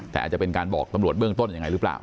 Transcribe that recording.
แต่อาจจะเป็นการบอกตำรวจเบื้องต้นยังไงหรือเปล่า